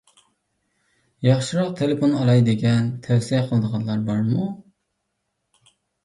ياخشىراق تېلېفون ئالاي دېگەن. تەۋسىيە قىلىدىغانلار بارمۇ؟